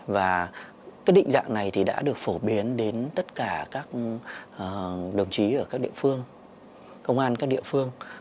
và cái định dạng này thì đã được phổ biến đến tất cả các đồng chí ở các địa phương công an các địa phương